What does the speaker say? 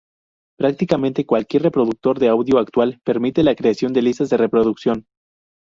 Prácticamente cualquier reproductor de audio actual permite la creación de listas de reproducción.